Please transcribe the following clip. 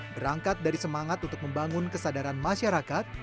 berangkat dari semangat untuk membangun kesadaran masyarakat